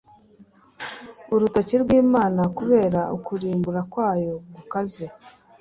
«urutoke rw' Imana». Kubera ukurimbura kwayo gukaze